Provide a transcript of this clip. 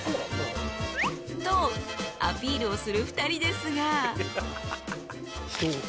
［とアピールをする２人ですが］